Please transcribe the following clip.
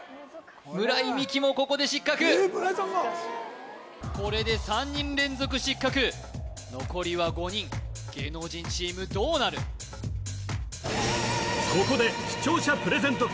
村井美樹もここで失格えっ村井さんがこれで３人連続失格残りは５人芸能人チームどうなるここで視聴者プレゼント